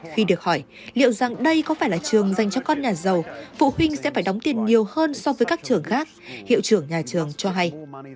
khi được hỏi liệu rằng đây có phải là trường dành cho con nhà giàu phụ huynh sẽ phải đóng tiền nhiều hơn so với các trường khác hiệu trưởng nhà trường cho hay